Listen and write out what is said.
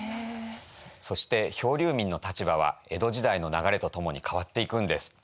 そして漂流民の立場は江戸時代の流れとともに変わっていくんです。